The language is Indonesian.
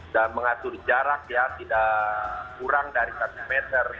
dan mengatur jarak yang tidak kurang dari satu meter